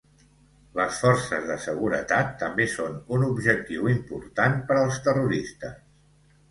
Les forces de seguretat també són un objectiu important per als terroristes.